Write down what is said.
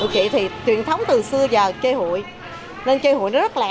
tụi chị thì truyền thống từ xưa giờ chơi hùi nên chơi hùi nó rất lẹ